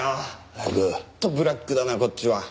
本当ブラックだなこっちは。